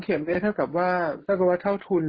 คือแม้แสดงว่าเท่าทุน